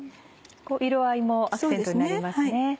色合いもアクセントになりますね。